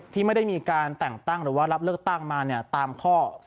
ที่ไม่ได้มีการแต่งตั้งหรือว่ารับเลือกตั้งมาตามข้อ๒